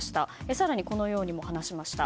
更に、このようにも話しました。